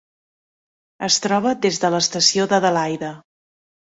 Es troba des de l'estació d'Adelaida.